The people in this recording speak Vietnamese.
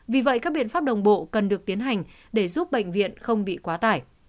vì vậy các biện pháp đồng bộ cần được tiến hành để giúp bệnh viện không bị quá tải